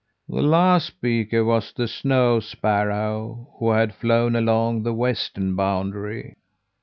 "The last speaker was the snow sparrow, who had flown along the western boundary.